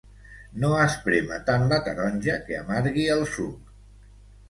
No esprémer tant la taronja que amargui el suc.